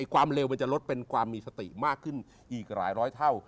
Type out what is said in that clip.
ความเร็วมันจะลดเป็นความมีสติมากขึ้นอีกหลายร้อยเท่า